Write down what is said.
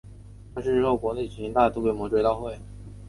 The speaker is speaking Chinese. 他逝世后国内各地城市都举行了大规模的追悼会。